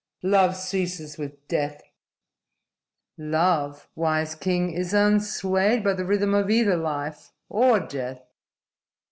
"Love ceases with death." "Love, wise king, is unswayed by the rhythm of either life or death.